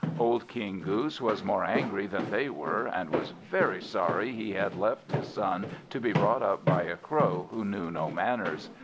Old King Goose was more angry than they were, and was very sorry he had left his son to be brought up by a Crow who knew no manners.